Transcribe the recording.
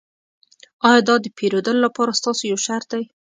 ایا دا د پیرودلو لپاره ستاسو یو شرط دی